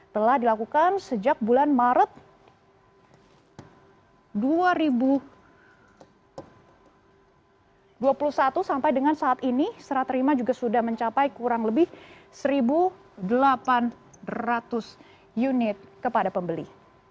telah dilakukan sejak bulan maret dua ribu dua puluh satu sampai dengan saat ini serat terima juga sudah mencapai kurang lebih satu delapan ratus unit kepada pembeli